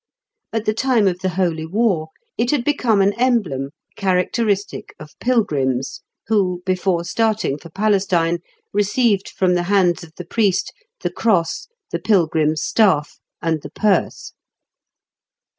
At the time of the Holy War, it had become an emblem characteristic of pilgrims, who, before starting for Palestine, received from the hands of the priest the cross, the pilgrim's staff, and the purse.